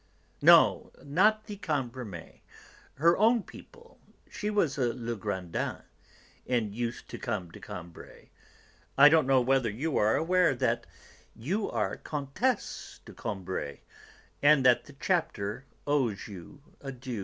"No, not the Cambremers; her own people. She was a Legrandin, and used to come to Combray. I don't know whether you are aware that you are Comtesse de Combray, and that the Chapter owes you a due."